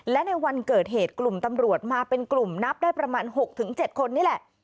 และในวันเกิดเหตุกลุ่มตำรวจมาเป็นกลุ่มนับได้ประมาณ๖๗คนนี่แหละ